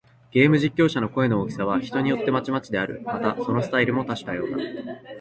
ゲーム実況者の声の大きさは、人によってまちまちである。また、そのスタイルも多種多様だ。